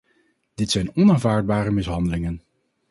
Dit zijn onaanvaardbare mishandelingen.